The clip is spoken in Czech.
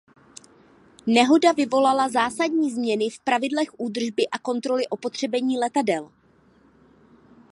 Nehoda vyvolala zásadní změny v pravidlech údržby a kontroly opotřebení letadel.